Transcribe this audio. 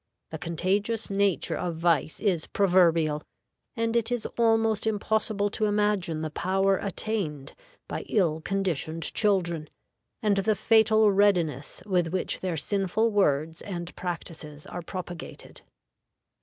The contagious nature of vice is proverbial; and it is almost impossible to imagine the power attained by ill conditioned children, and the fatal readiness with which their sinful words and practices are propagated.